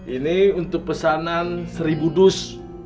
ini untuk pesanan seribu dus